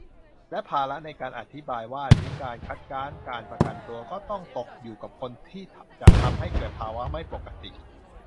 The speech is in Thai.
และภาระในการอธิบายว่านี้ การ "คัดค้านการประกันตัว" ก็ต้องตกอยู่กับคนที่จะทำให้เกิดภาวะไม่ปกติ